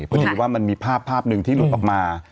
เพราะถือว่ามันมีภาพหนึ่งที่หลุดออกมา